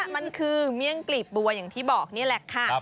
มันคือเมี่ยงกลีบบัวอย่างที่บอกนี่แหละค่ะ